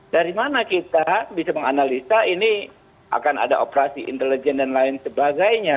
dari mana kita bisa menganalisa ini akan ada operasi intelijen dan lain sebagainya